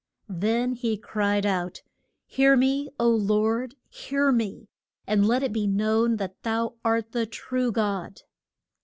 Then he cried out, Hear me, O Lord, hear me, and let it be known that thou art the true God.